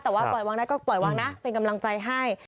แต่ว่าปล่อยวางได้ก็ปล่อยวางนะเป็นกำลังใจให้